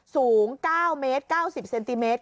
สูง๙เมตร๙๐เซนติเมตร